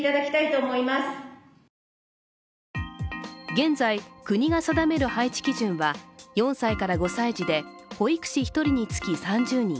現在、国が定める配置基準は４歳から５歳児で保育士１人につき３０人。